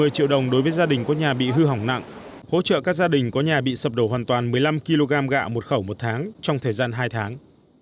một mươi triệu đồng đối với gia đình có nhà bị hư hỏng nặng hỗ trợ các gia đình có nhà bị sập đổ hoàn toàn một mươi năm kg gạo một khẩu một tháng trong thời gian hai tháng